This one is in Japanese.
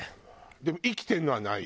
でも生きてるのはない？